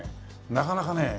なかなか。